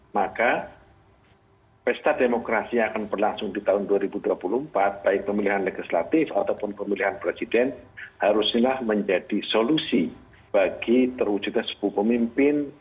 maka pesta demokrasi yang akan berlangsung di tahun dua ribu dua puluh empat baik pemilihan legislatif ataupun pemilihan presiden harusnya menjadi solusi bagi terwujudnya sebuah pemimpin